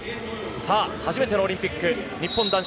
初めてのオリンピック日本男子